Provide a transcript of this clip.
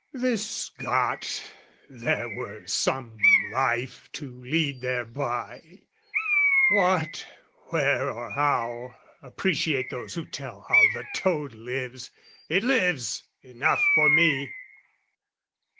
This got, there were some life to lead thereby, What, where or how, appreciate those who tell How the toad lives: it lives, enough for me!